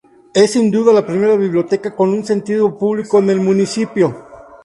Es sin duda la primera biblioteca con un sentido público en el municipio.